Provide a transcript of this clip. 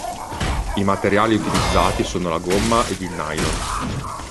I materiali utilizzati sono la gomma ed il nylon.